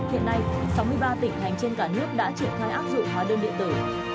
hiện nay sáu mươi ba tỉnh thành trên cả nước đã triển khai áp dụng hóa đơn điện tử